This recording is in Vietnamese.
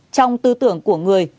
trong tư tưởng của người